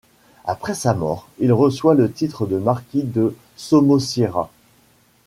Après sa mort, il reçoit le titre de marquis de Somosierra.